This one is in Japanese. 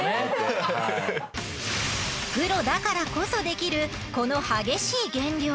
プロだからこそできるこの激しい減量。